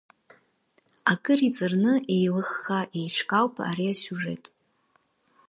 Акыр иҵарны, еилыхха еиҿкаауп иара асиужет.